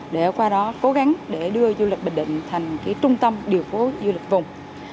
để qua đó cố gắng để đưa du lịch bình định thành trung tâm điều phố du lịch vùng